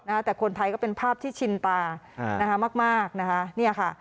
นะฮะแต่คนไทยก็เป็นภาพที่ชินตาอ่านะคะมากมากนะคะเนี่ยค่ะ